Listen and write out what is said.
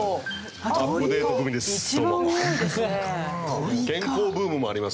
アップデート組です。